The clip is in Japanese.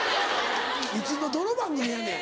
いつのどの番組やねん。